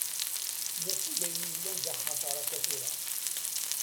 Mačči d ayen yellan d axatar akka tura.